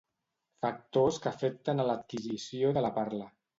Factors que afecten a l'adquisició de la parla.